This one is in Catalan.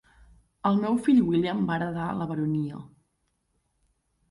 El seu fill William va heretar la baronia.